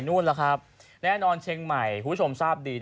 แน่นอนเชียงใหม่ผู้ชมทราบดี